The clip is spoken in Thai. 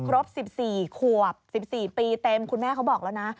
ครบ๑๔ขวบ๑๔ปีเต็มคุณแม่เขาบอกแล้วนะ